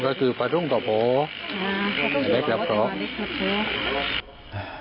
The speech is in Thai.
อ๋อก็คือปะทุ่งต่อโปะอ่าเขาก็อยู่บ้านว่าวิชัยว่าเล็กกับโปะ